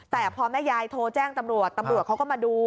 แต่พอแม่ยายโทรแจ้งตำรวจตำรวจเขาก็มาดู